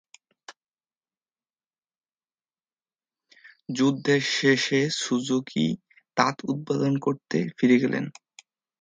যুদ্ধের শেষে, সুজুকি তাঁত উৎপাদন করতে ফিরে গেলেন।